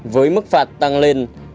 với mức phạt tăng lên